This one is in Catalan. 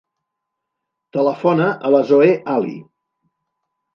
Telefona a la Zoè Ali.